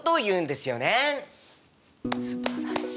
すばらしい！